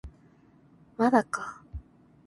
まだか